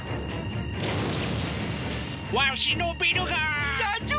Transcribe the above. わしのビルが！社長！